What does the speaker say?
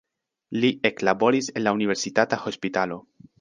Li eklaboris en la universitata hospitalo.